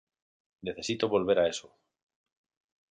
Necesito volver a eso.